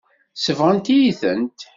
Sebɣent-iyi-tent.